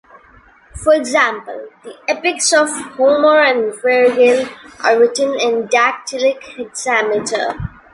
For example, the epics of Homer and Vergil are written in dactylic hexameter.